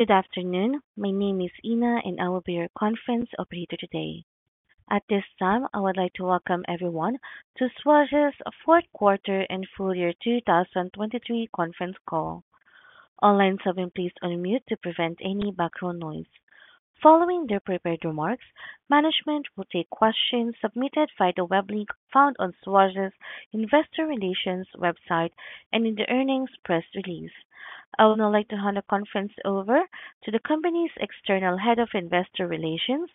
Good afternoon, my name is Ina and I will be your conference operator today. At this time, I would like to welcome everyone to Schwazze's fourth quarter and full year 2023 conference call. Online participants, please mute to prevent any background noise. Following their prepared remarks, management will take questions submitted via the web link found on Schwazze's investor relations website and in the earnings press release. I would now like to hand the conference over to the company's External Head of Investor Relations,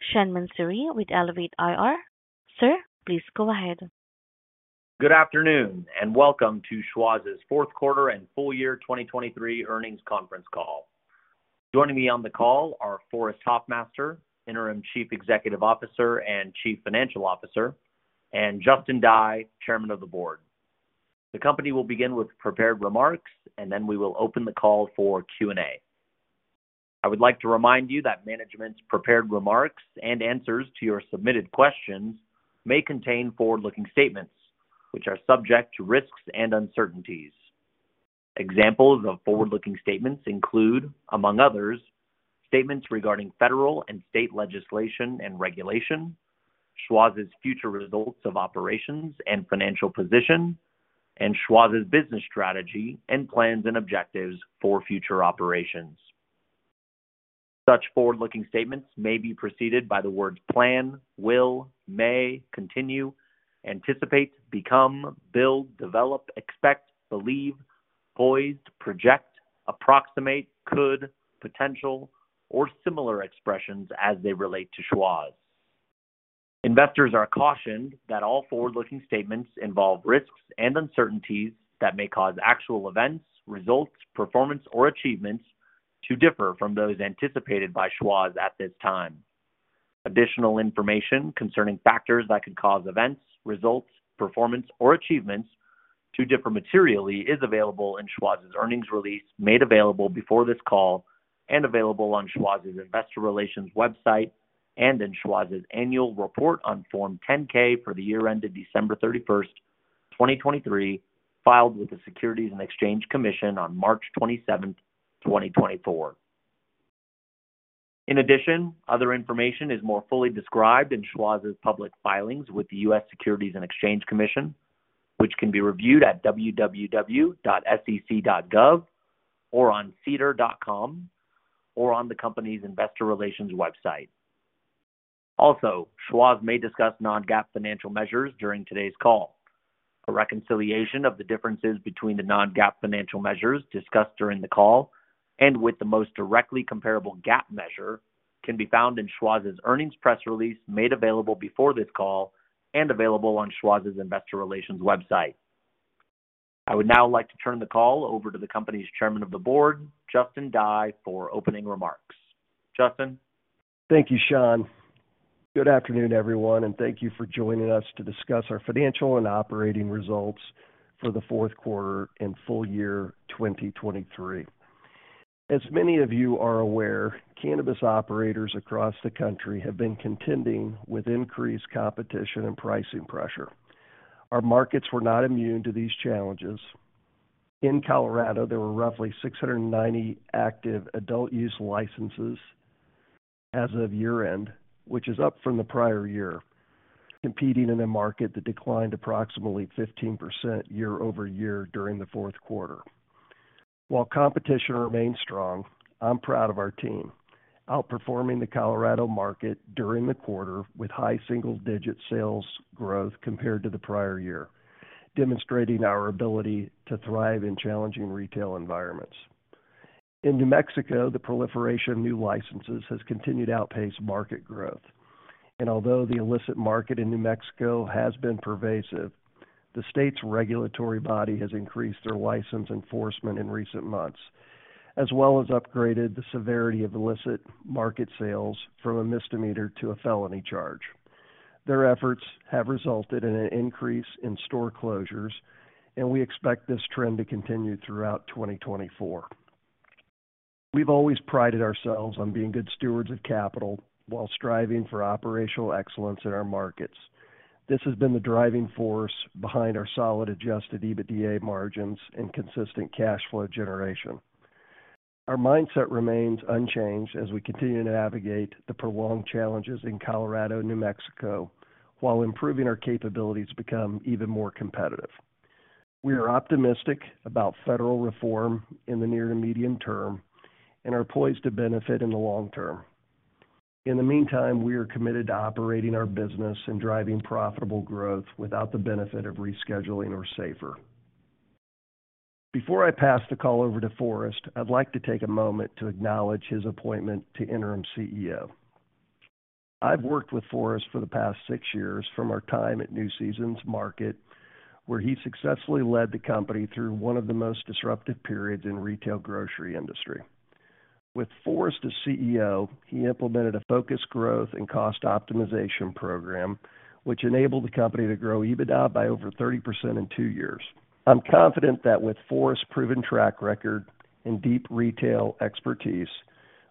Sean Mansouri, with Elevate IR. Sir, please go ahead. Good afternoon and welcome to Schwazze's fourth quarter and full year 2023 earnings conference call. Joining me on the call are Forrest Hofmaster, Interim Chief Executive Officer and Chief Financial Officer, and Justin Dye, Chairman of the Board. The company will begin with prepared remarks, and then we will open the call for Q&A. I would like to remind you that management's prepared remarks and answers to your submitted questions may contain forward-looking statements, which are subject to risks and uncertainties. Examples of forward-looking statements include, among others, statements regarding federal and state legislation and regulation, Schwazze's future results of operations and financial position, and Schwazze's business strategy and plans and objectives for future operations. Such forward-looking statements may be preceded by the words plan, will, may, continue, anticipate, become, build, develop, expect, believe, poised, project, approximate, could, potential, or similar expressions as they relate to Schwazze. Investors are cautioned that all forward-looking statements involve risks and uncertainties that may cause actual events, results, performance, or achievements to differ from those anticipated by Schwazze at this time. Additional information concerning factors that could cause events, results, performance, or achievements to differ materially is available in Schwazze's earnings release made available before this call and available on Schwazze's investor relations website and in Schwazze's annual report on Form 10-K for the year ended December 31st, 2023, filed with the U.S. Securities and Exchange Commission on March 27th, 2024. In addition, other information is more fully described in Schwazze's public filings with the U.S. Securities and Exchange Commission, which can be reviewed at www.sec.gov or on sedar.com or on the company's investor relations website. Also, Schwazze may discuss non-GAAP financial measures during today's call. A reconciliation of the differences between the non-GAAP financial measures discussed during the call and with the most directly comparable GAAP measure can be found in Schwazze's earnings press release made available before this call and available on Schwazze's investor relations website. I would now like to turn the call over to the company's Chairman of the Board, Justin Dye, for opening remarks. Justin. Thank you, Sean. Good afternoon, everyone, and thank you for joining us to discuss our financial and operating results for the fourth quarter and full year 2023. As many of you are aware, cannabis operators across the country have been contending with increased competition and pricing pressure. Our markets were not immune to these challenges. In Colorado, there were roughly 690 active adult use licenses as of year-end, which is up from the prior year, competing in a market that declined approximately 15% year-over-year during the fourth quarter. While competition remains strong, I'm proud of our team, outperforming the Colorado market during the quarter with high single-digit sales growth compared to the prior year, demonstrating our ability to thrive in challenging retail environments. In New Mexico, the proliferation of new licenses has continued to outpace market growth. Although the illicit market in New Mexico has been pervasive, the state's regulatory body has increased their license enforcement in recent months, as well as upgraded the severity of illicit market sales from a misdemeanor to a felony charge. Their efforts have resulted in an increase in store closures, and we expect this trend to continue throughout 2024. We've always prided ourselves on being good stewards of capital while striving for operational excellence in our markets. This has been the driving force behind our solid Adjusted EBITDA margins and consistent cash flow generation. Our mindset remains unchanged as we continue to navigate the prolonged challenges in Colorado and New Mexico while improving our capabilities to become even more competitive. We are optimistic about federal reform in the near to medium term and are poised to benefit in the long term. In the meantime, we are committed to operating our business and driving profitable growth without the benefit of rescheduling or SAFER. Before I pass the call over to Forrest, I'd like to take a moment to acknowledge his appointment to interim CEO. I've worked with Forrest for the past six years from our time at New Seasons Market, where he successfully led the company through one of the most disruptive periods in the retail grocery industry. With Forrest as CEO, he implemented a focused growth and cost optimization program, which enabled the company to grow EBITDA by over 30% in two years. I'm confident that with Forrest's proven track record and deep retail expertise,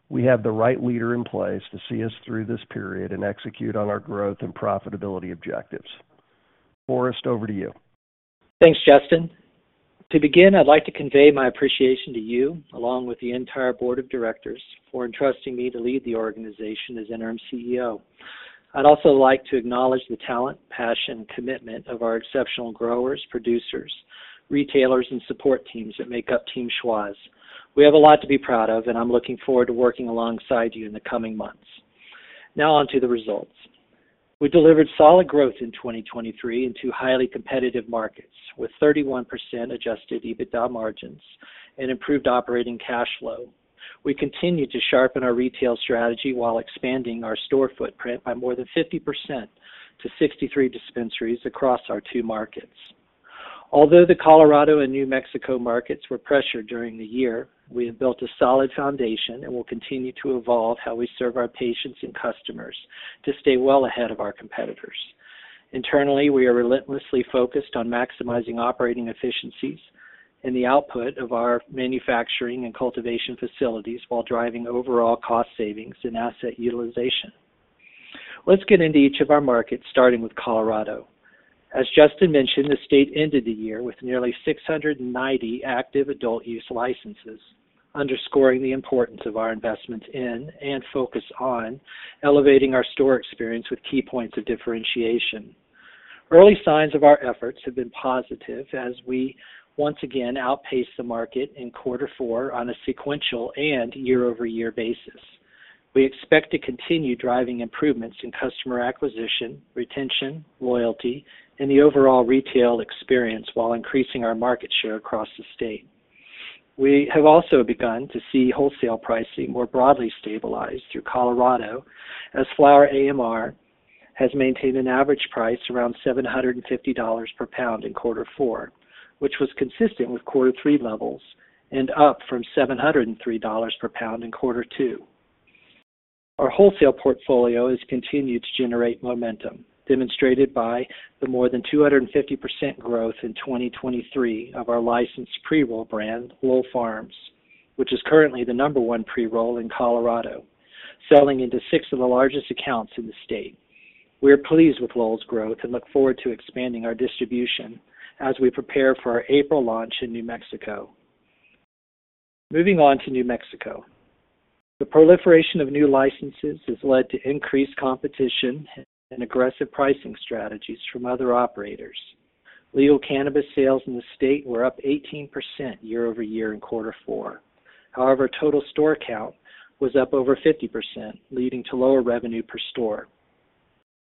we have the right leader in place to see us through this period and execute on our growth and profitability objectives. Forrest, over to you. Thanks, Justin. To begin, I'd like to convey my appreciation to you, along with the entire board of directors, for entrusting me to lead the organization as Interim CEO. I'd also like to acknowledge the talent, passion, and commitment of our exceptional growers, producers, retailers, and support teams that make up Team Schwazze. We have a lot to be proud of, and I'm looking forward to working alongside you in the coming months. Now onto the results. We delivered solid growth in 2023 in two highly competitive markets with 31% Adjusted EBITDA margins and improved operating cash flow. We continued to sharpen our retail strategy while expanding our store footprint by more than 50% to 63 dispensaries across our two markets. Although the Colorado and New Mexico markets were pressured during the year, we have built a solid foundation and will continue to evolve how we serve our patients and customers to stay well ahead of our competitors. Internally, we are relentlessly focused on maximizing operating efficiencies and the output of our manufacturing and cultivation facilities while driving overall cost savings and asset utilization. Let's get into each of our markets, starting with Colorado. As Justin mentioned, the state ended the year with nearly 690 active adult use licenses, underscoring the importance of our investments in and focus on elevating our store experience with key points of differentiation. Early signs of our efforts have been positive as we once again outpaced the market in quarter four on a sequential and year-over-year basis. We expect to continue driving improvements in customer acquisition, retention, loyalty, and the overall retail experience while increasing our market share across the state. We have also begun to see wholesale pricing more broadly stabilize through Colorado as flower AMR has maintained an average price around $750 per pound in quarter four, which was consistent with quarter three levels and up from $703 per pound in quarter two. Our wholesale portfolio has continued to generate momentum, demonstrated by the more than 250% growth in 2023 of our licensed pre-roll brand, Lowell Farms, which is currently the number one pre-roll in Colorado, selling into six of the largest accounts in the state. We are pleased with Lowell's growth and look forward to expanding our distribution as we prepare for our April launch in New Mexico. Moving on to New Mexico. The proliferation of new licenses has led to increased competition and aggressive pricing strategies from other operators. Legal cannabis sales in the state were up 18% year-over-year in quarter four. However, total store count was up over 50%, leading to lower revenue per store.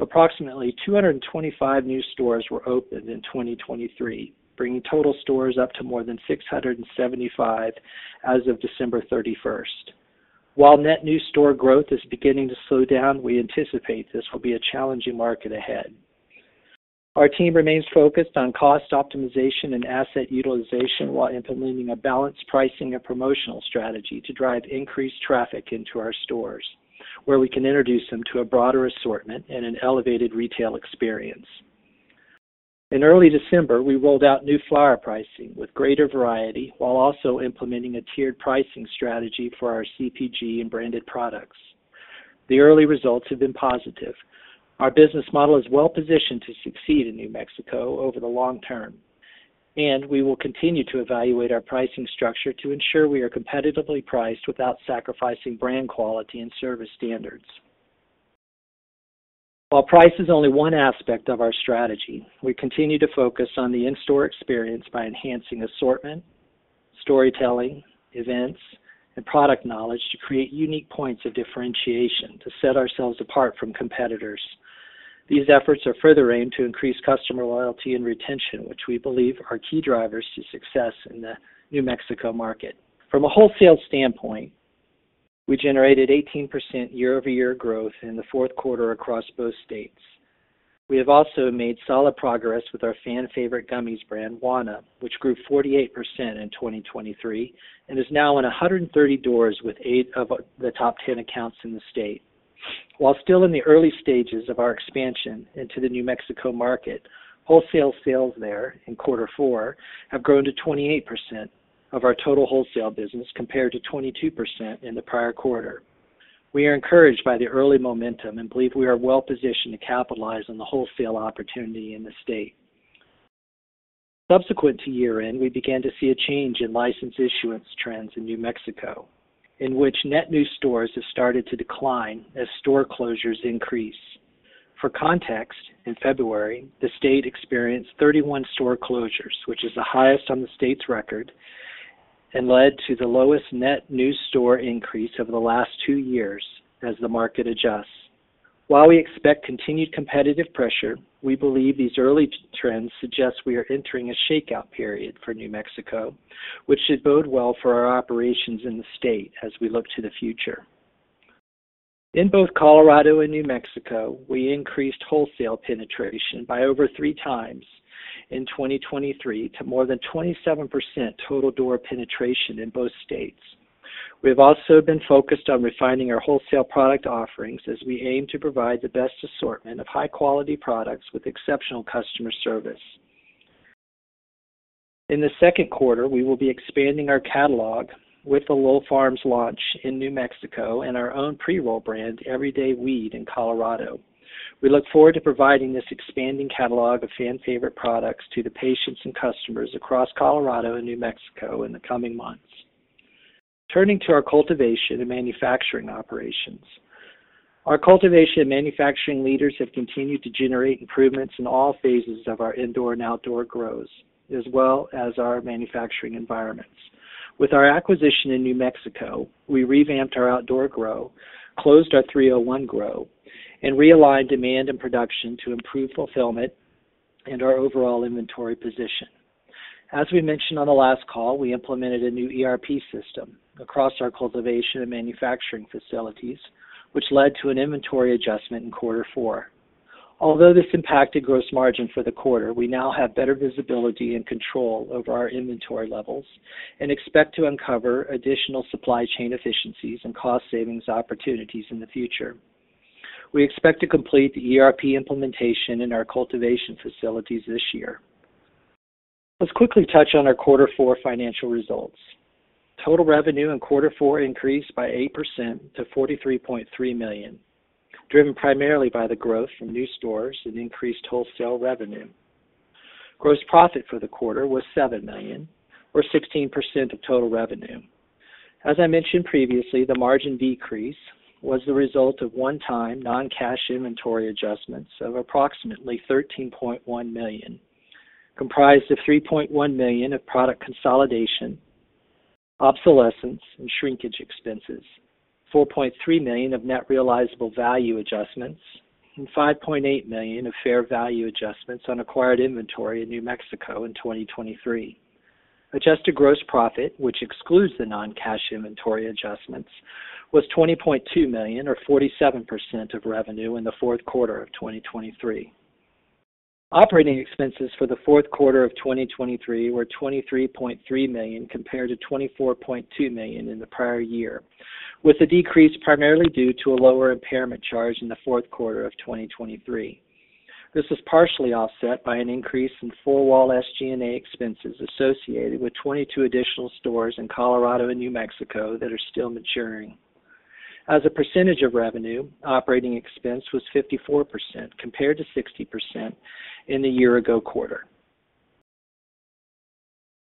Approximately 225 new stores were opened in 2023, bringing total stores up to more than 675 as of December 31st. While net new store growth is beginning to slow down, we anticipate this will be a challenging market ahead. Our team remains focused on cost optimization and asset utilization while implementing a balanced pricing and promotional strategy to drive increased traffic into our stores, where we can introduce them to a broader assortment and an elevated retail experience. In early December, we rolled out new flower pricing with greater variety while also implementing a tiered pricing strategy for our CPG and branded products. The early results have been positive. Our business model is well positioned to succeed in New Mexico over the long term, and we will continue to evaluate our pricing structure to ensure we are competitively priced without sacrificing brand quality and service standards. While price is only one aspect of our strategy, we continue to focus on the in-store experience by enhancing assortment, storytelling, events, and product knowledge to create unique points of differentiation to set ourselves apart from competitors. These efforts are further aimed to increase customer loyalty and retention, which we believe are key drivers to success in the New Mexico market. From a wholesale standpoint, we generated 18% year-over-year growth in the fourth quarter across both states. We have also made solid progress with our fan-favorite gummies brand, Wana, which grew 48% in 2023 and is now in 130 doors with eight of the top 10 accounts in the state. While still in the early stages of our expansion into the New Mexico market, wholesale sales there in quarter four have grown to 28% of our total wholesale business compared to 22% in the prior quarter. We are encouraged by the early momentum and believe we are well positioned to capitalize on the wholesale opportunity in the state. Subsequent to year-end, we began to see a change in license issuance trends in New Mexico, in which net new stores have started to decline as store closures increase. For context, in February, the state experienced 31 store closures, which is the highest on the state's record and led to the lowest net new store increase over the last two years as the market adjusts. While we expect continued competitive pressure, we believe these early trends suggest we are entering a shakeout period for New Mexico, which should bode well for our operations in the state as we look to the future. In both Colorado and New Mexico, we increased wholesale penetration by over three times in 2023 to more than 27% total door penetration in both states. We have also been focused on refining our wholesale product offerings as we aim to provide the best assortment of high-quality products with exceptional customer service. In the second quarter, we will be expanding our catalog with the Lowell Farms launch in New Mexico and our own pre-roll brand, Everyday Weed, in Colorado. We look forward to providing this expanding catalog of fan-favorite products to the patients and customers across Colorado and New Mexico in the coming months. Turning to our cultivation and manufacturing operations. Our cultivation and manufacturing leaders have continued to generate improvements in all phases of our indoor and outdoor grows, as well as our manufacturing environments. With our acquisition in New Mexico, we revamped our outdoor grow, closed our 301 grow, and realigned demand and production to improve fulfillment and our overall inventory position. As we mentioned on the last call, we implemented a new ERP system across our cultivation and manufacturing facilities, which led to an inventory adjustment in quarter four. Although this impacted gross margin for the quarter, we now have better visibility and control over our inventory levels and expect to uncover additional supply chain efficiencies and cost savings opportunities in the future. We expect to complete the ERP implementation in our cultivation facilities this year. Let's quickly touch on our quarter four financial results. Total revenue in quarter four increased by 8% to $43.3 million, driven primarily by the growth from new stores and increased wholesale revenue. Gross profit for the quarter was $7 million, or 16% of total revenue. As I mentioned previously, the margin decrease was the result of one-time non-cash inventory adjustments of approximately $13.1 million, comprised of $3.1 million of product consolidation, obsolescence, and shrinkage expenses, $4.3 million of net realizable value adjustments, and $5.8 million of fair value adjustments on acquired inventory in New Mexico in 2023. Adjusted gross profit, which excludes the non-cash inventory adjustments, was $20.2 million, or 47% of revenue in the fourth quarter of 2023. Operating expenses for the fourth quarter of 2023 were $23.3 million compared to $24.2 million in the prior year, with a decrease primarily due to a lower impairment charge in the fourth quarter of 2023. This was partially offset by an increase in four-wall SG&A expenses associated with 22 additional stores in Colorado and New Mexico that are still maturing. As a percentage of revenue, operating expense was 54% compared to 60% in the year-ago quarter.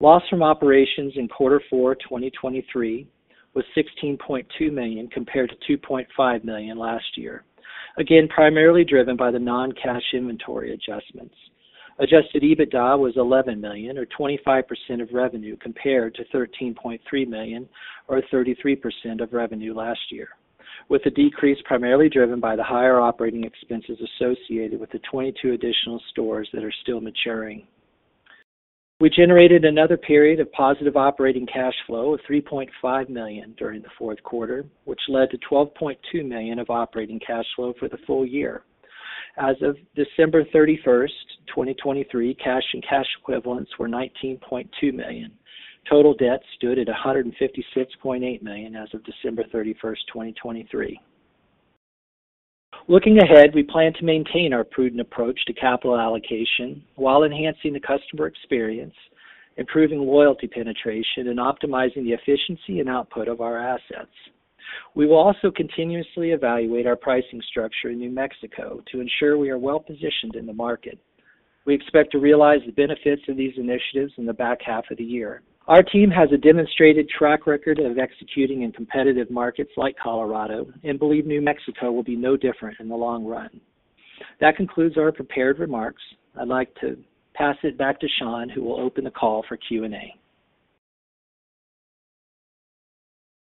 Loss from operations in quarter four 2023 was $16.2 million compared to $2.5 million last year, again primarily driven by the non-cash inventory adjustments. Adjusted EBITDA was $11 million, or 25% of revenue compared to $13.3 million, or 33% of revenue last year, with a decrease primarily driven by the higher operating expenses associated with the 22 additional stores that are still maturing. We generated another period of positive operating cash flow of $3.5 million during the fourth quarter, which led to $12.2 million of operating cash flow for the full year. As of December 31st, 2023, cash and cash equivalents were $19.2 million. Total debt stood at $156.8 million as of December 31st, 2023. Looking ahead, we plan to maintain our prudent approach to capital allocation while enhancing the customer experience, improving loyalty penetration, and optimizing the efficiency and output of our assets. We will also continuously evaluate our pricing structure in New Mexico to ensure we are well positioned in the market. We expect to realize the benefits of these initiatives in the back half of the year. Our team has a demonstrated track record of executing in competitive markets like Colorado and believe New Mexico will be no different in the long run. That concludes our prepared remarks. I'd like to pass it back to Sean, who will open the call for Q&A.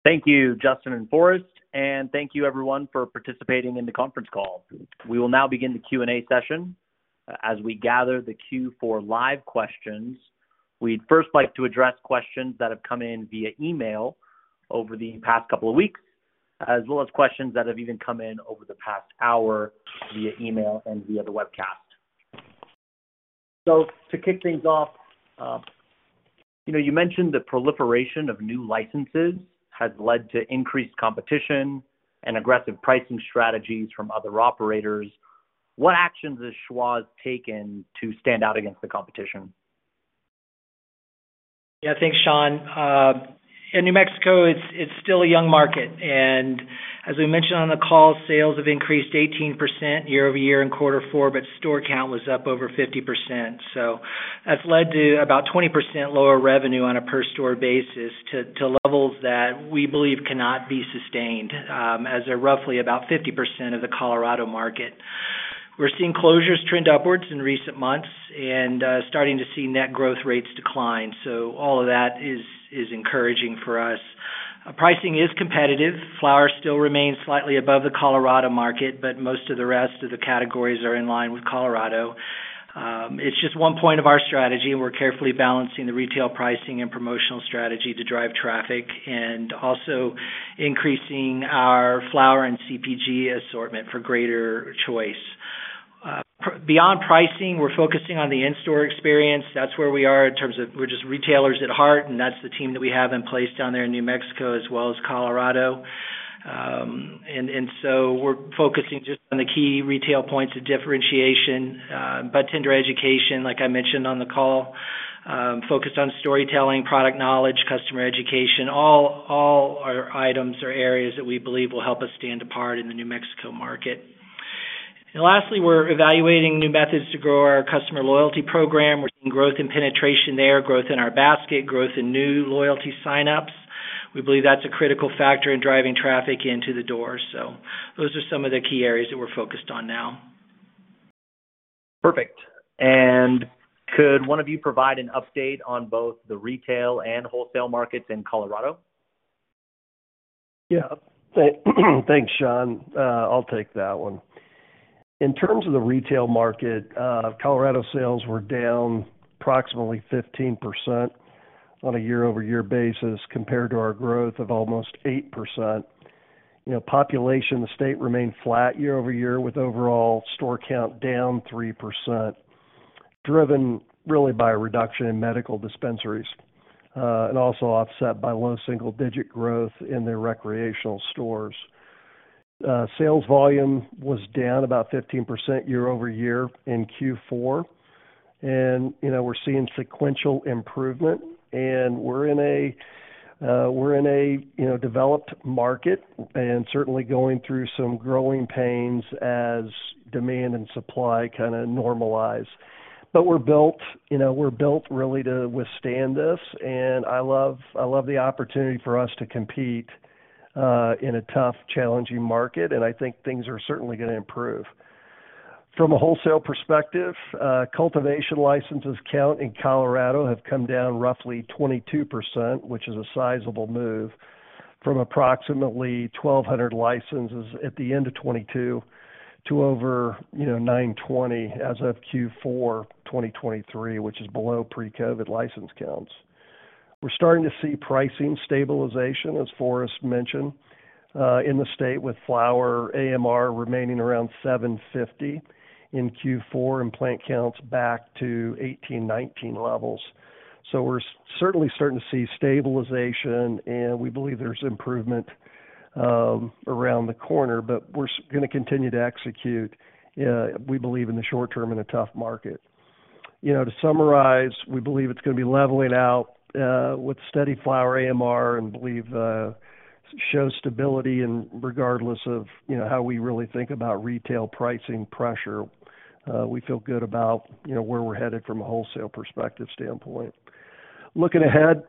Thank you, Justin and Forrest, and thank you, everyone, for participating in the conference call. We will now begin the Q&A session. As we gather the Q4 live questions, we'd first like to address questions that have come in via email over the past couple of weeks, as well as questions that have even come in over the past hour via email and via the webcast. So to kick things off, you mentioned the proliferation of new licenses has led to increased competition and aggressive pricing strategies from other operators. What actions has Schwazze taken to stand out against the competition? Yeah, thanks, Sean. In New Mexico, it's still a young market. As we mentioned on the call, sales have increased 18% year-over-year in quarter four, but store count was up over 50%. That's led to about 20% lower revenue on a per-store basis to levels that we believe cannot be sustained as they're roughly about 50% of the Colorado market. We're seeing closures trend upwards in recent months and starting to see net growth rates decline. All of that is encouraging for us. Pricing is competitive. Flower still remains slightly above the Colorado market, but most of the rest of the categories are in line with Colorado. It's just one point of our strategy, and we're carefully balancing the retail pricing and promotional strategy to drive traffic and also increasing our flower and CPG assortment for greater choice. Beyond pricing, we're focusing on the in-store experience. That's where we are in terms of we're just retailers at heart, and that's the team that we have in place down there in New Mexico as well as Colorado. And so we're focusing just on the key retail points of differentiation, but budtender education, like I mentioned on the call, focused on storytelling, product knowledge, customer education, all our items or areas that we believe will help us stand apart in the New Mexico market. And lastly, we're evaluating new methods to grow our customer loyalty program. We're seeing growth in penetration there, growth in our basket, growth in new loyalty signups. We believe that's a critical factor in driving traffic into the door. So those are some of the key areas that we're focused on now. Perfect. Could one of you provide an update on both the retail and wholesale markets in Colorado? Yeah. Thanks, Sean. I'll take that one. In terms of the retail market, Colorado sales were down approximately 15% on a year-over-year basis compared to our growth of almost 8%. Population in the state remained flat year over year with overall store count down 3%, driven really by a reduction in medical dispensaries and also offset by low single-digit growth in their recreational stores. Sales volume was down about 15% year-over-year in Q4, and we're seeing sequential improvement. And we're in a developed market and certainly going through some growing pains as demand and supply kind of normalize. But we're built really to withstand this, and I love the opportunity for us to compete in a tough, challenging market, and I think things are certainly going to improve. From a wholesale perspective, cultivation licenses count in Colorado have come down roughly 22%, which is a sizable move, from approximately 1,200 licenses at the end of 2022 to over 920 as of Q4 2023, which is below pre-COVID license counts. We're starting to see pricing stabilization, as Forrest mentioned, in the state with flower AMR remaining around 750 in Q4 and plant counts back to 2018-19 levels. So we're certainly starting to see stabilization, and we believe there's improvement around the corner, but we're going to continue to execute, we believe, in the short term in a tough market. To summarize, we believe it's going to be leveling out with steady flower AMR and believe shows stability regardless of how we really think about retail pricing pressure. We feel good about where we're headed from a wholesale perspective standpoint. Looking ahead,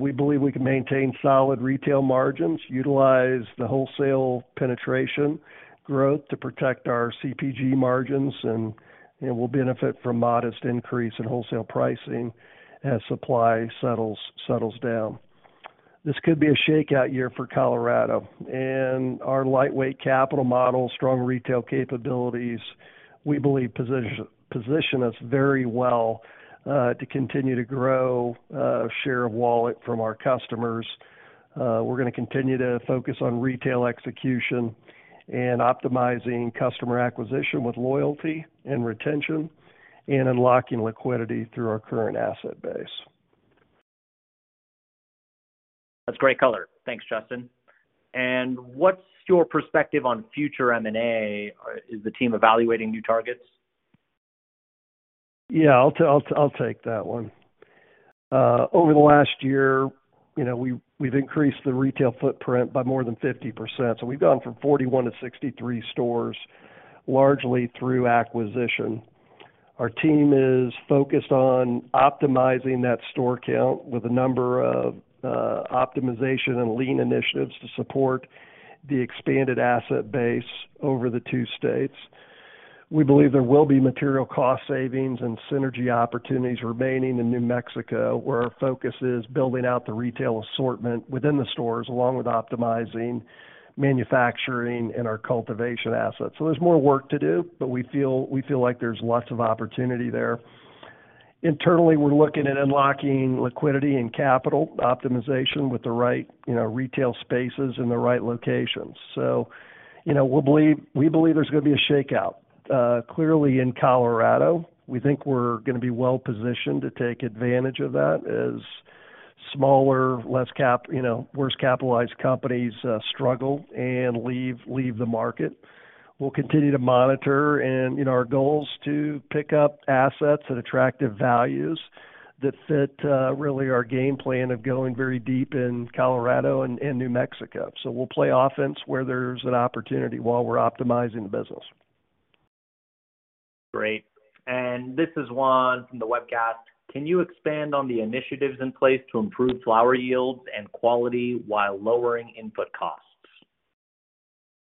we believe we can maintain solid retail margins, utilize the wholesale penetration growth to protect our CPG margins, and we'll benefit from modest increase in wholesale pricing as supply settles down. This could be a shakeout year for Colorado. Our lightweight capital model, strong retail capabilities, we believe position us very well to continue to grow a share of wallet from our customers. We're going to continue to focus on retail execution and optimizing customer acquisition with loyalty and retention and unlocking liquidity through our current asset base. That's great color. Thanks, Justin. What's your perspective on future M&A? Is the team evaluating new targets? Yeah, I'll take that one. Over the last year, we've increased the retail footprint by more than 50%. So we've gone from 41 to 63 stores, largely through acquisition. Our team is focused on optimizing that store count with a number of optimization and lean initiatives to support the expanded asset base over the two states. We believe there will be material cost savings and synergy opportunities remaining in New Mexico, where our focus is building out the retail assortment within the stores along with optimizing manufacturing and our cultivation assets. So there's more work to do, but we feel like there's lots of opportunity there. Internally, we're looking at unlocking liquidity and capital optimization with the right retail spaces in the right locations. So we believe there's going to be a shakeout. Clearly, in Colorado, we think we're going to be well positioned to take advantage of that as smaller, less well-capitalized companies struggle and leave the market. We'll continue to monitor, and our goal is to pick up assets at attractive values that fit really our game plan of going very deep in Colorado and New Mexico. So we'll play offense where there's an opportunity while we're optimizing the business. Great. This is Juan from the webcast. Can you expand on the initiatives in place to improve flower yields and quality while lowering input costs?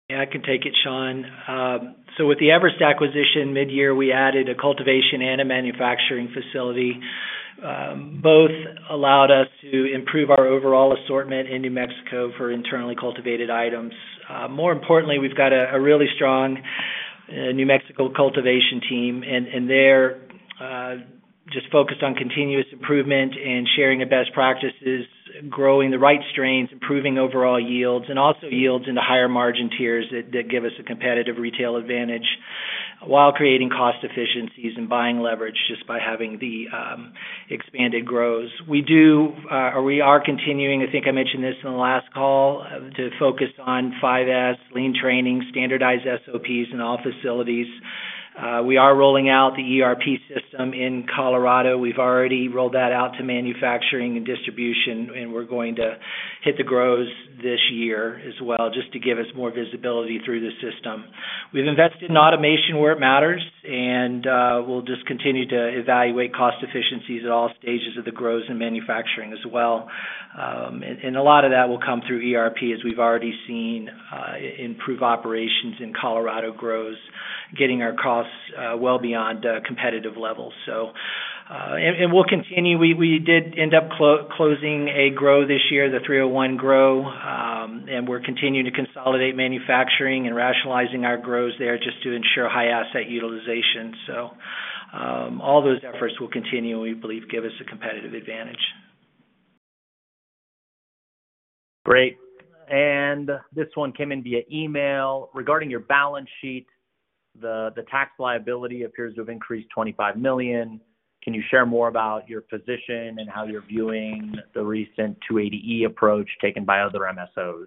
Yeah, I can take it, Sean. So with the Everest acquisition midyear, we added a cultivation and a manufacturing facility. Both allowed us to improve our overall assortment in New Mexico for internally cultivated items. More importantly, we've got a really strong New Mexico cultivation team, and they're just focused on continuous improvement and sharing the best practices, growing the right strains, improving overall yields, and also yields in the higher margin tiers that give us a competitive retail advantage while creating cost efficiencies and buying leverage just by having the expanded grows. We are continuing, I think I mentioned this in the last call, to focus on 5S, lean training, standardized SOPs in all facilities. We are rolling out the ERP system in Colorado. We've already rolled that out to manufacturing and distribution, and we're going to hit the grows this year as well just to give us more visibility through the system. We've invested in automation where it matters, and we'll just continue to evaluate cost efficiencies at all stages of the grows and manufacturing as well. A lot of that will come through ERP, as we've already seen improve operations in Colorado grows, getting our costs well beyond competitive levels. We'll continue. We did end up closing a grow this year, the 301 grow, and we're continuing to consolidate manufacturing and rationalizing our grows there just to ensure high asset utilization. All those efforts will continue, and we believe give us a competitive advantage. Great. This one came in via email. Regarding your balance sheet, the tax liability appears to have increased $25 million. Can you share more about your position and how you're viewing the recent 280E approach taken by other MSOs?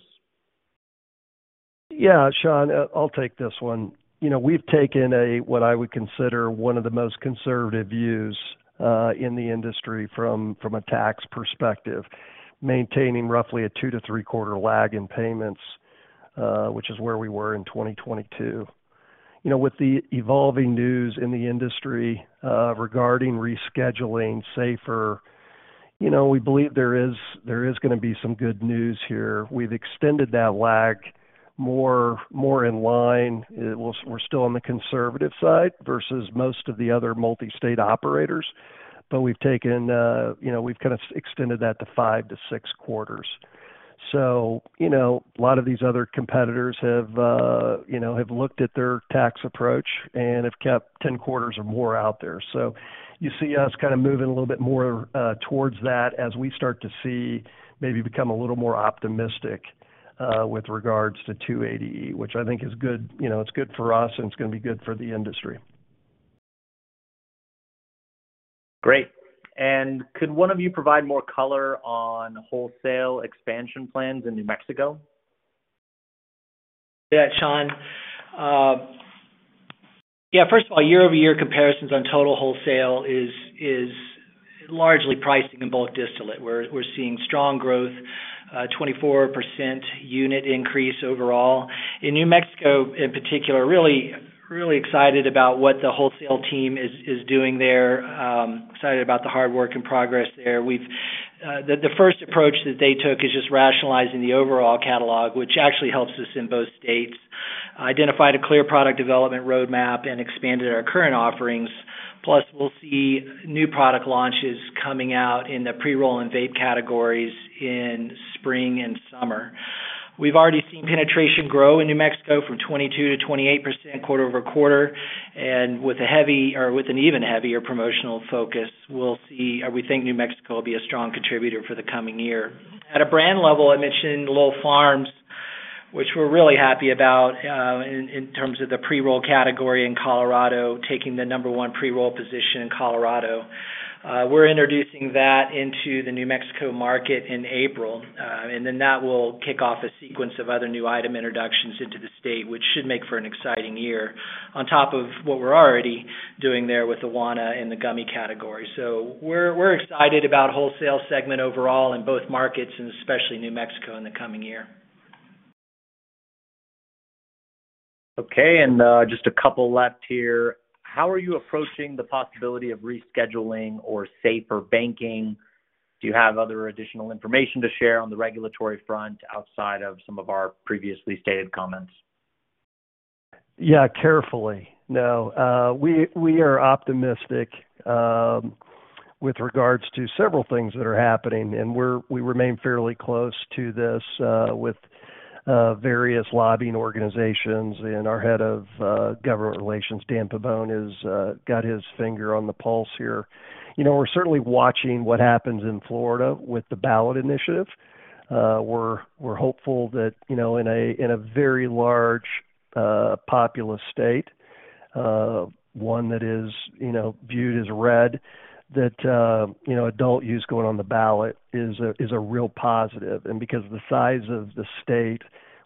Yeah, Sean, I'll take this one. We've taken what I would consider one of the most conservative views in the industry from a tax perspective, maintaining roughly a two-three quarter lag in payments, which is where we were in 2022. With the evolving news in the industry regarding rescheduling, SAFER, we believe there is going to be some good news here. We've extended that lag more in line. We're still on the conservative side versus most of the other multi-state operators, but we've taken we kind of extended that to five-six quarters. So a lot of these other competitors have looked at their tax approach and have kept 10 quarters or more out there. So you see us kind of moving a little bit more towards that as we start to see maybe become a little more optimistic with regards to 280E, which I think is good. It's good for us, and it's going to be good for the industry. Great. Could one of you provide more color on wholesale expansion plans in New Mexico? Yeah, Sean. Yeah, first of all, year-over-year comparisons on total wholesale is largely pricing and bulk distillate. We're seeing strong growth, 24% unit increase overall. In New Mexico, in particular, really excited about what the wholesale team is doing there, excited about the hard work and progress there. The first approach that they took is just rationalizing the overall catalog, which actually helps us in both states, identified a clear product development roadmap, and expanded our current offerings. Plus, we'll see new product launches coming out in the pre-roll and vape categories in spring and summer. We've already seen penetration grow in New Mexico from 22%-28% quarter-over-quarter, and with an even heavier promotional focus, we'll see or we think New Mexico will be a strong contributor for the coming year. At a brand level, I mentioned Lowell Farms, which we're really happy about in terms of the pre-roll category in Colorado, taking the number one pre-roll position in Colorado. We're introducing that into the New Mexico market in April, and then that will kick off a sequence of other new item introductions into the state, which should make for an exciting year on top of what we're already doing there with the Wana in the gummy category. So we're excited about wholesale segment overall in both markets and especially New Mexico in the coming year. Okay. And just a couple left here. How are you approaching the possibility of rescheduling or SAFER banking? Do you have other additional information to share on the regulatory front outside of some of our previously stated comments? Yeah, carefully. No, we are optimistic with regards to several things that are happening, and we remain fairly close to this with various lobbying organizations. Our head of government relations, Dan Pabon, has got his finger on the pulse here. We're certainly watching what happens in Florida with the ballot initiative. We're hopeful that in a very large populous state, one that is viewed as red, that Adult Use going on the ballot is a real positive. Because of the size of the state,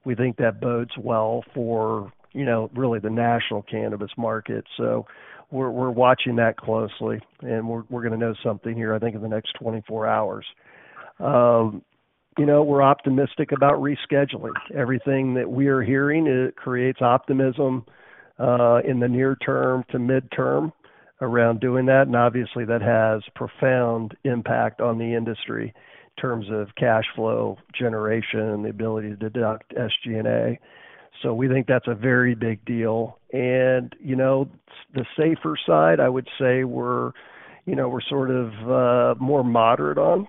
we think that bodes well for really the national cannabis market. So we're watching that closely, and we're going to know something here, I think, in the next 24 hours. We're optimistic about Rescheduling. Everything that we are hearing, it creates optimism in the near term to midterm around doing that. Obviously, that has profound impact on the industry in terms of cash flow generation and the ability to deduct SG&A. So we think that's a very big deal. The SAFER side, I would say, we're sort of more moderate on.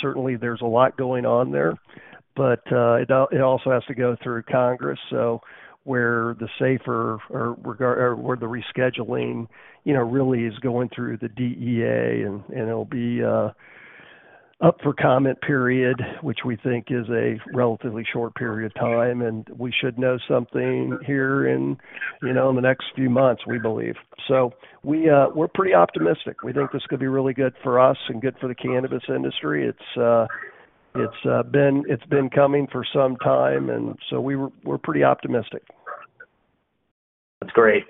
Certainly, there's a lot going on there, but it also has to go through Congress, where the SAFER or where the rescheduling really is going through the DEA, and it'll be up for comment period, which we think is a relatively short period of time. We should know something here in the next few months, we believe. So we're pretty optimistic. We think this could be really good for us and good for the cannabis industry. It's been coming for some time, and so we're pretty optimistic. That's great.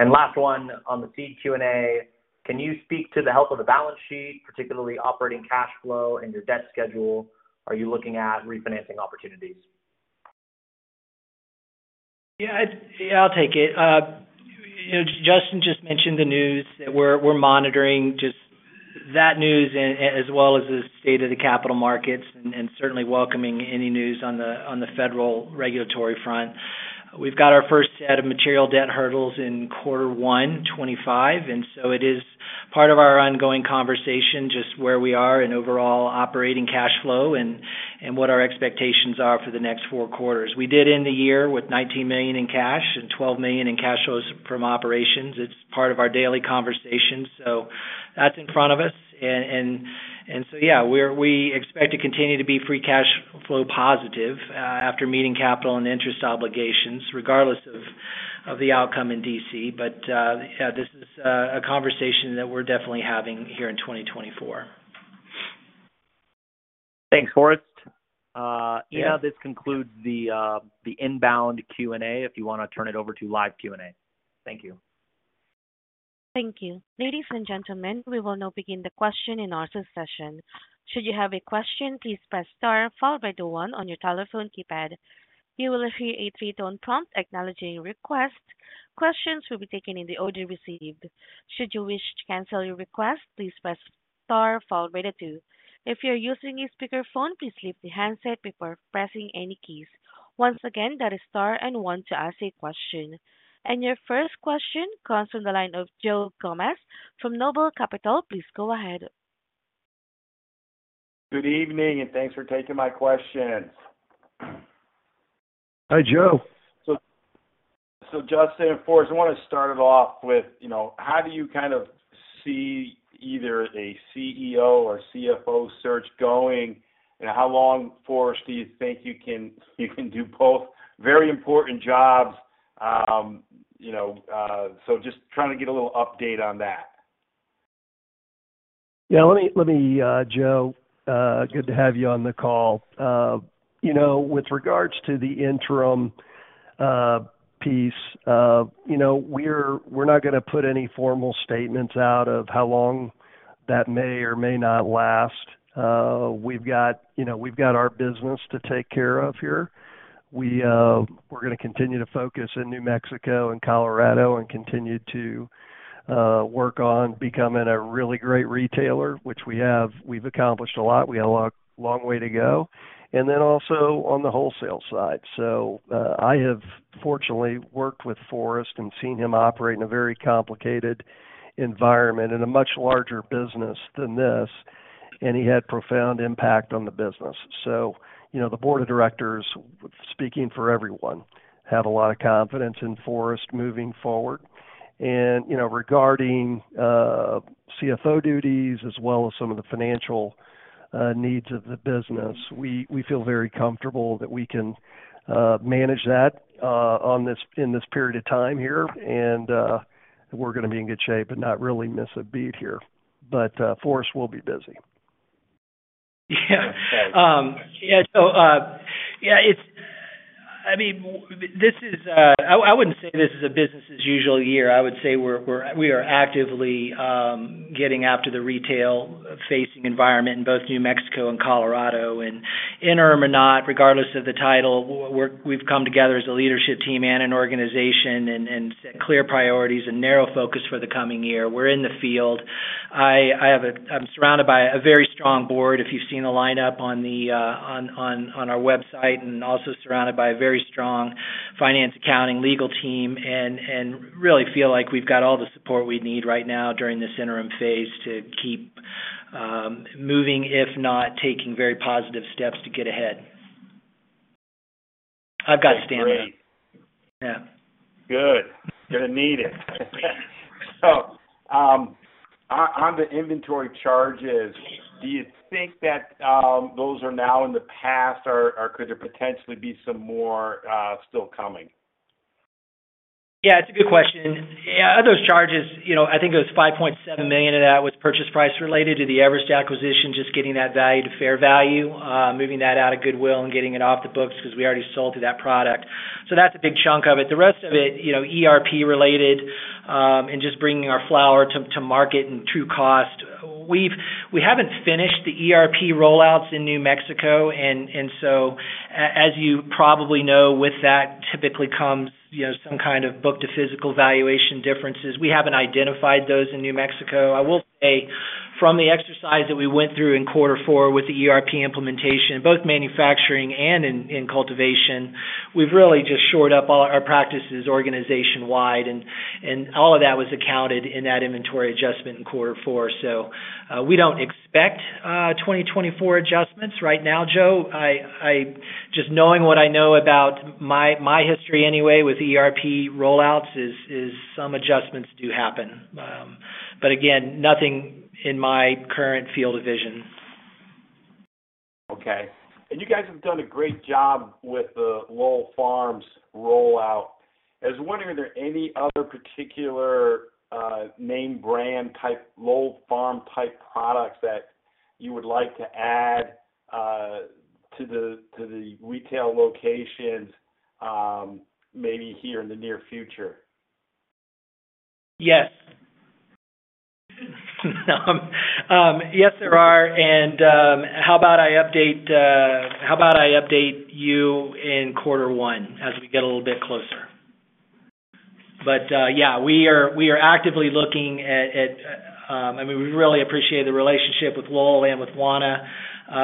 Last one on the said Q&A. Can you speak to the health of the balance sheet, particularly operating cash flow and your debt schedule? Are you looking at refinancing opportunities? Yeah, I'll take it. Justin just mentioned the news that we're monitoring just that news as well as the state of the capital markets and certainly welcoming any news on the federal regulatory front. We've got our first set of material debt hurdles in quarter one, 2025, and so it is part of our ongoing conversation just where we are in overall operating cash flow and what our expectations are for the next four quarters. We did end the year with $19 million in cash and $12 million in cash flows from operations. It's part of our daily conversation, so that's in front of us. And so yeah, we expect to continue to be free cash flow positive after meeting capital and interest obligations regardless of the outcome in D.C. But yeah, this is a conversation that we're definitely having here in 2024. Thanks, Forrest. Ina, this concludes the inbound Q&A. If you want to turn it over to live Q&A. Thank you. Thank you. Ladies and gentlemen, we will now begin the question and answer session. Should you have a question, please press star followed by the one on your telephone keypad. You will hear a three-tone prompt acknowledging your request. Questions will be taken in the order received. Should you wish to cancel your request, please press star followed by the two. If you're using a speakerphone, please leave the handset before pressing any keys. Once again, that is star and one to ask a question. And your first question comes from the line of Joe Gomes from Noble Capital. Please go ahead. Good evening, and thanks for taking my questions. Hi, Joe. So Justin and Forrest, I want to start it off with, how do you kind of see either a CEO or CFO search going, and how long, Forrest, do you think you can do both very important jobs? So just trying to get a little update on that. Yeah, let me, Joe, good to have you on the call. With regards to the interim piece, we're not going to put any formal statements out of how long that may or may not last. We've got our business to take care of here. We're going to continue to focus in New Mexico and Colorado and continue to work on becoming a really great retailer, which we have. We've accomplished a lot. We have a long way to go. And then also on the wholesale side. So I have, fortunately, worked with Forrest and seen him operate in a very complicated environment in a much larger business than this, and he had profound impact on the business. So the board of directors, speaking for everyone, have a lot of confidence in Forrest moving forward. Regarding CFO duties as well as some of the financial needs of the business, we feel very comfortable that we can manage that in this period of time here, and we're going to be in good shape and not really miss a beat here. But Forrest will be busy. Yeah. Yeah, Joe. Yeah, I mean, this is, I wouldn't say this is a business-as-usual year. I would say we are actively getting after the retail-facing environment in both New Mexico and Colorado. Interim or not, regardless of the title, we've come together as a leadership team and an organization and set clear priorities and narrow focus for the coming year. We're in the field. I'm surrounded by a very strong board, if you've seen the lineup on our website, and also surrounded by a very strong finance, accounting, legal team, and really feel like we've got all the support we need right now during this interim phase to keep moving, if not taking very positive steps to get ahead. I've got standard. Yeah. Good. Going to need it. So on the inventory charges, do you think that those are now in the past, or could there potentially be some more still coming? Yeah, it's a good question. Yeah, those charges, I think it was $5.7 million of that was purchase price related to the Everest acquisition, just getting that value to fair value, moving that out of Goodwill and getting it off the books because we already sold to that product. So that's a big chunk of it. The rest of it, ERP related and just bringing our flower to market and true cost. We haven't finished the ERP rollouts in New Mexico, and so as you probably know, with that typically comes some kind of book-to-physical valuation differences. We haven't identified those in New Mexico. I will say, from the exercise that we went through in quarter four with the ERP implementation, both manufacturing and in cultivation, we've really just shored up our practices organization-wide, and all of that was accounted in that inventory adjustment in quarter four. We don't expect 2024 adjustments right now, Joe. Just knowing what I know about my history anyway with ERP rollouts, some adjustments do happen. Again, nothing in my current field of vision. Okay. And you guys have done a great job with the Lowell Farms rollout. I was wondering, are there any other particular name brand type Lowell Farms type products that you would like to add to the retail locations maybe here in the near future? Yes. Yes, there are. How about I update you in quarter one as we get a little bit closer? But yeah, we are actively looking at, I mean, we really appreciate the relationship with Lowell and with Wana.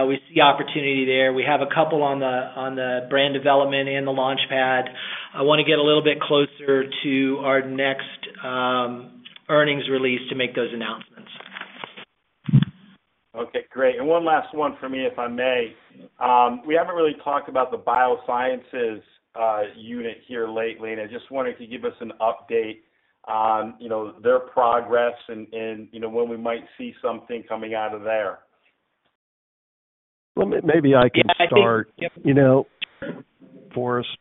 We see opportunity there. We have a couple on the brand development and the launchpad. I want to get a little bit closer to our next earnings release to make those announcements. Okay, great. One last one for me, if I may. We haven't really talked about the biosciences unit here lately, and I just wondered if you could give us an update on their progress and when we might see something coming out of there? Maybe I can start, Forrest.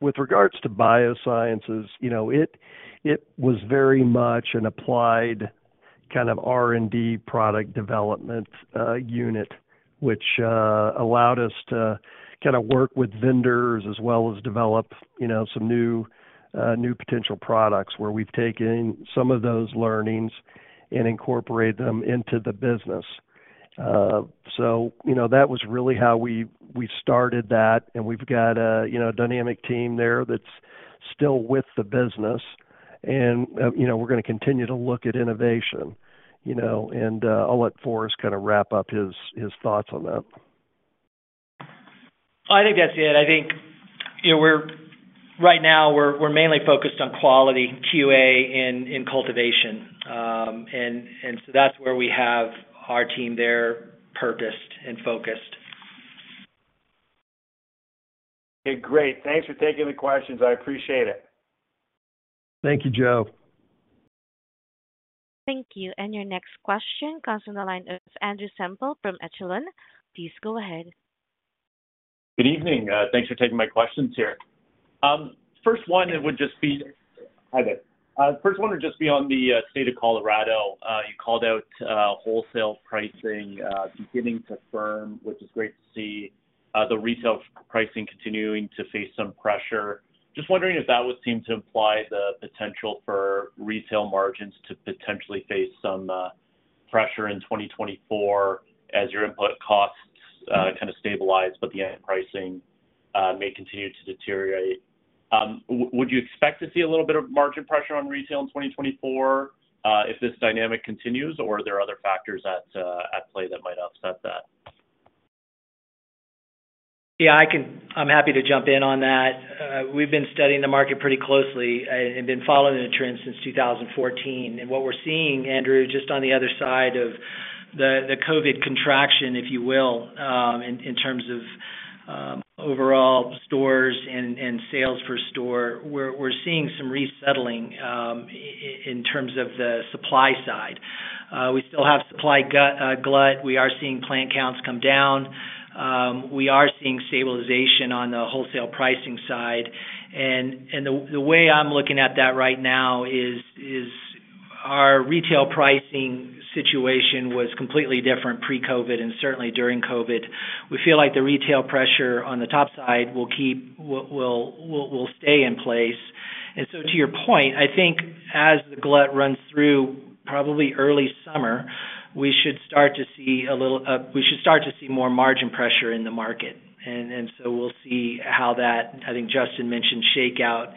With regards to biosciences, it was very much an applied kind of R&D product development unit, which allowed us to kind of work with vendors as well as develop some new potential products where we've taken some of those learnings and incorporated them into the business. So that was really how we started that, and we've got a dynamic team there that's still with the business, and we're going to continue to look at innovation. I'll let Forrest kind of wrap up his thoughts on that. I think that's it. I think right now, we're mainly focused on quality, QA, in cultivation. And so that's where we have our team there purposed and focused. Okay, great. Thanks for taking the questions. I appreciate it. Thank you, Joe. Thank you. Your next question comes from the line of Andrew Semple from Echelon. Please go ahead. Good evening. Thanks for taking my questions here. First one would just be on the state of Colorado. You called out wholesale pricing beginning to firm, which is great to see the retail pricing continuing to face some pressure. Just wondering if that would seem to imply the potential for retail margins to potentially face some pressure in 2024 as your input costs kind of stabilize, but the end pricing may continue to deteriorate. Would you expect to see a little bit of margin pressure on retail in 2024 if this dynamic continues, or are there other factors at play that might upset that? Yeah, I'm happy to jump in on that. We've been studying the market pretty closely and been following the trend since 2014. What we're seeing, Andrew, just on the other side of the COVID contraction, if you will, in terms of overall stores and sales per store, we're seeing some resettling in terms of the supply side. We still have supply glut. We are seeing plant counts come down. We are seeing stabilization on the wholesale pricing side. The way I'm looking at that right now is our retail pricing situation was completely different pre-COVID and certainly during COVID. We feel like the retail pressure on the top side will stay in place. So to your point, I think as the glut runs through probably early summer, we should start to see more margin pressure in the market. And so we'll see how that, I think Justin mentioned, shake out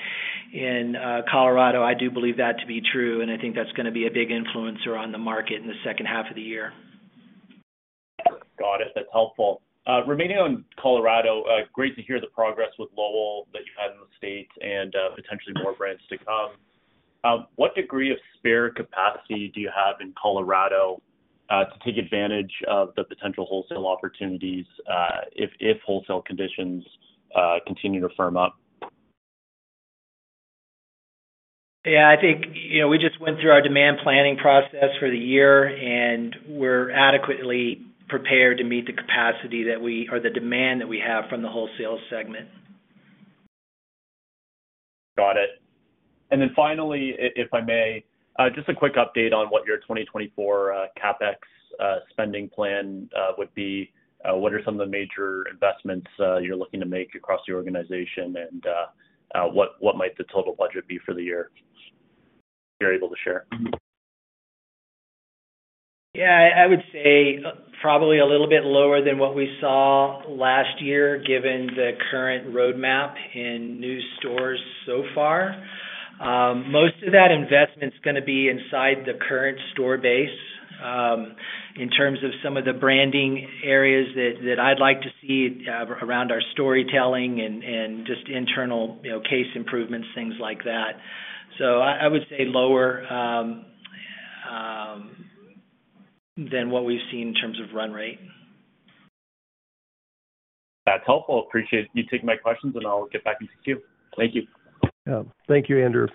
in Colorado. I do believe that to be true, and I think that's going to be a big influencer on the market in the second half of the year. Got it. That's helpful. Remaining on Colorado, great to hear the progress with Lowell that you've had in the state and potentially more brands to come. What degree of spare capacity do you have in Colorado to take advantage of the potential wholesale opportunities if wholesale conditions continue to firm up? Yeah, I think we just went through our demand planning process for the year, and we're adequately prepared to meet the capacity that we or the demand that we have from the wholesale segment. Got it. And then finally, if I may, just a quick update on what your 2024 CapEx spending plan would be. What are some of the major investments you're looking to make across the organization, and what might the total budget be for the year if you're able to share? Yeah, I would say probably a little bit lower than what we saw last year given the current roadmap in new stores so far. Most of that investment's going to be inside the current store base in terms of some of the branding areas that I'd like to see around our storytelling and just internal case improvements, things like that. So I would say lower than what we've seen in terms of run rate. That's helpful. Appreciate you taking my questions, and I'll get back into queue. Thank you. Yeah. Thank you, Andrew.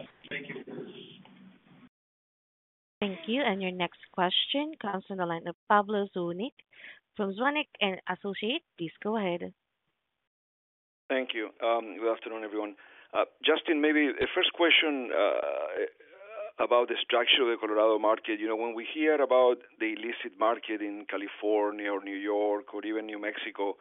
Thank you. Your next question comes from the line of Pablo Zuanic from Zuanic & Associates. Please go ahead. Thank you. Good afternoon, everyone. Justin, maybe a first question about the structure of the Colorado market. When we hear about the illicit market in California or New York or even New Mexico,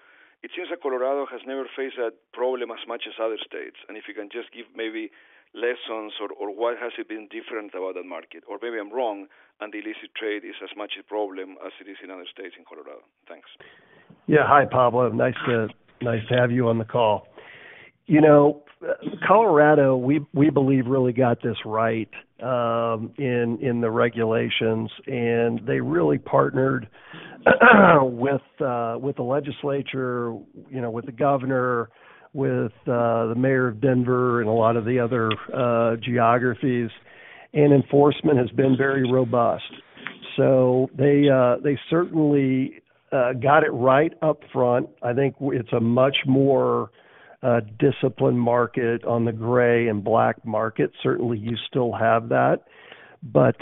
it seems that Colorado has never faced that problem as much as other states. And if you can just give maybe lessons or what has it been different about that market? Or maybe I'm wrong, and the illicit trade is as much a problem as it is in other states in Colorado. Thanks. Yeah. Hi, Pablo. Nice to have you on the call. Colorado, we believe really got this right in the regulations, and they really partnered with the legislature, with the governor, with the mayor of Denver, and a lot of the other geographies, and enforcement has been very robust. So they certainly got it right up front. I think it's a much more disciplined market on the gray and black market. Certainly, you still have that. But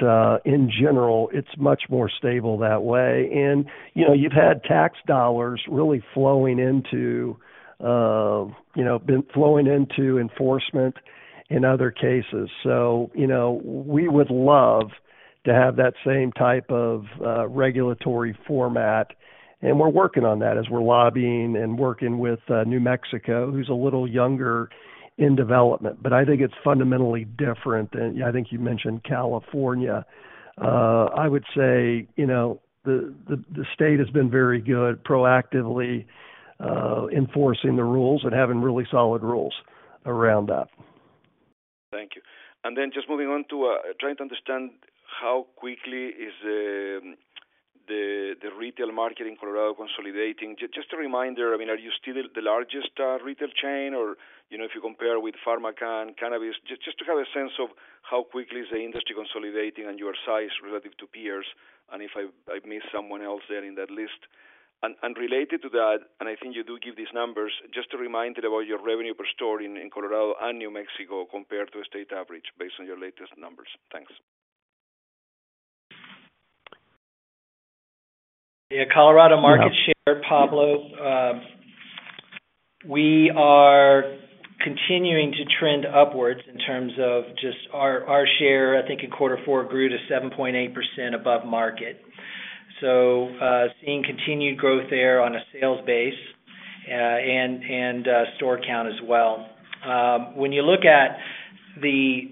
in general, it's much more stable that way. And you've had tax dollars really flowing into enforcement in other cases. So we would love to have that same type of regulatory format, and we're working on that as we're lobbying and working with New Mexico, who's a little younger in development. But I think it's fundamentally different than. I think you mentioned California. I would say the state has been very good proactively enforcing the rules and having really solid rules around that. Thank you. And then just moving on to trying to understand how quickly is the retail market in Colorado consolidating. Just a reminder, I mean, are you still the largest retail chain, or if you compare with PharmaCann? Just to have a sense of how quickly is the industry consolidating and your size relative to peers, and if I miss someone else there in that list. And related to that, and I think you do give these numbers, just a reminder about your revenue per store in Colorado and New Mexico compared to a state average based on your latest numbers. Thanks. Yeah. Colorado market share, Pablo. We are continuing to trend upwards in terms of just our share, I think, in quarter four grew to 7.8% above market. So seeing continued growth there on a sales base and store count as well. When you look at the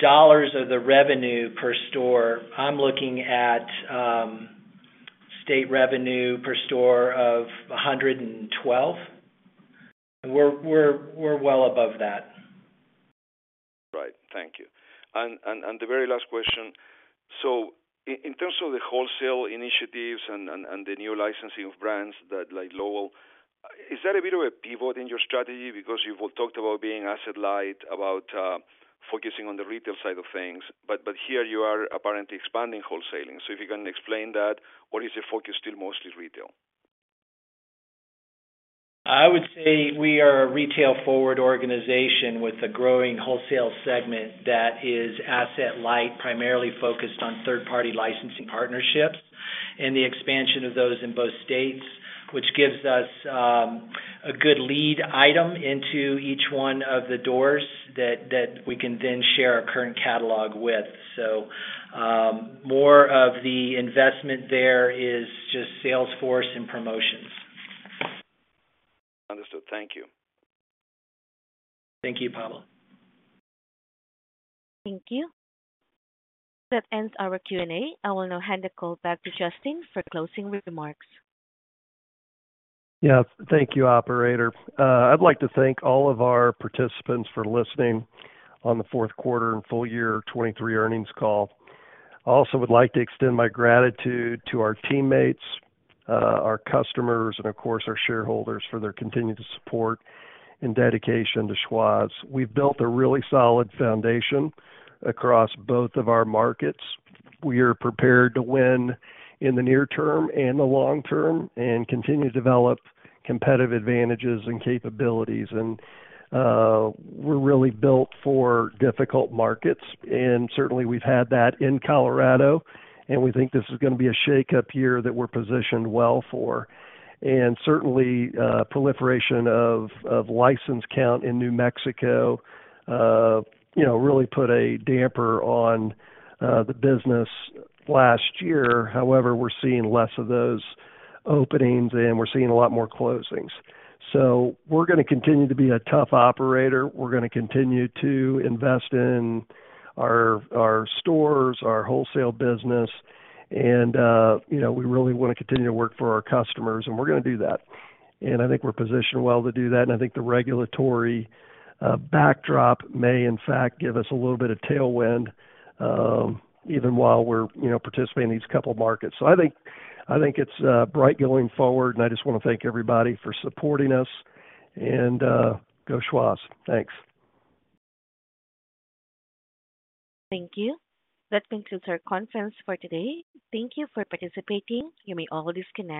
dollars of the revenue per store, I'm looking at state revenue per store of $112, and we're well above that. Right. Thank you. And the very last question. So in terms of the wholesale initiatives and the new licensing of brands like Lowell, is that a bit of a pivot in your strategy because you've talked about being asset light, about focusing on the retail side of things, but here you are apparently expanding wholesaling. So if you can explain that, or is your focus still mostly retail? I would say we are a retail-forward organization with a growing wholesale segment that is asset light, primarily focused on third-party licensing partnerships and the expansion of those in both states, which gives us a good lead item into each one of the doors that we can then share our current catalog with. So more of the investment there is just salesforce and promotions. Understood. Thank you. Thank you, Pablo. Thank you. That ends our Q&A. I will now hand the call back to Justin for closing remarks. Yeah. Thank you, operator. I'd like to thank all of our participants for listening on the fourth quarter and full year 2023 earnings call. I also would like to extend my gratitude to our teammates, our customers, and, of course, our shareholders for their continued support and dedication to Schwazze. We've built a really solid foundation across both of our markets. We are prepared to win in the near term and the long term and continue to develop competitive advantages and capabilities. And we're really built for difficult markets. And certainly, we've had that in Colorado, and we think this is going to be a shake-up year that we're positioned well for. And certainly, proliferation of license count in New Mexico really put a damper on the business last year. However, we're seeing less of those openings, and we're seeing a lot more closings. So we're going to continue to be a tough operator. We're going to continue to invest in our stores, our wholesale business, and we really want to continue to work for our customers, and we're going to do that. And I think we're positioned well to do that. And I think the regulatory backdrop may, in fact, give us a little bit of tailwind even while we're participating in these couple of markets. So I think it's bright going forward, and I just want to thank everybody for supporting us. And go, Schwazze. Thanks. Thank you. That concludes our conference for today. Thank you for participating. You may disconnect.